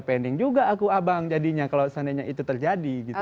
pending juga aku abang jadinya kalau seandainya itu terjadi gitu